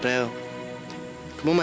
bisa lagi pertama